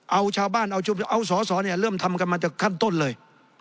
เอาชาวบ้านเอาสอสอเนี่ยเริ่มทำกันมาจากขั้นต้นเลย